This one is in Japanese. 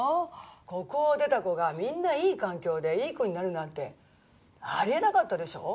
ここを出た子がみんないい環境でいい子になるなんてありえなかったでしょ？